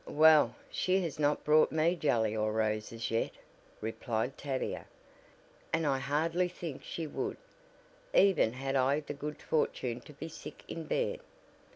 "Well, she has not brought me jelly or roses yet," replied Tavia, "and I hardly think she would, even had I the good fortune to be sick in bed.